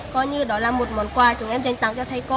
coi như đó là một món quà chúng em dành tặng cho thầy cô